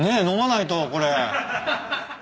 飲まないとこれ。